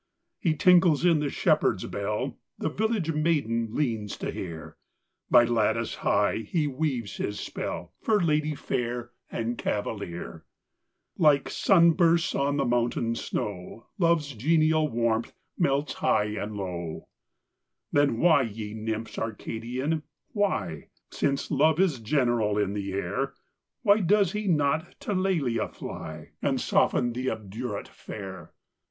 He tinkles in the shepherd s bell The village maiden leans to hear By lattice high he weaves his spell, For lady fair and cavalier : Like sun bursts on the mountain snow, Love s genial warmth melts high and low. THE DREAM OF LOVE. 71 Then why, ye nymphs Arcadian, why Since Love is general as the air Why does he not to Lelia fly, And soften that obdurate fair?